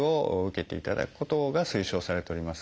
受けていただくことが推奨されております。